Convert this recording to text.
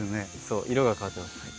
そう色が変わってます。